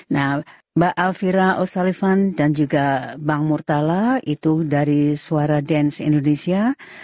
nah mbak alfira o sullivan dan juga bang murtala itu dari suara dance indonesia